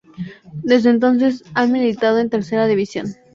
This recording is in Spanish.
Desde entonces, ha militado en Tercera División.